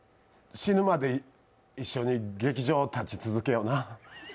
死ぬまで一緒に劇場、立ち続けよな。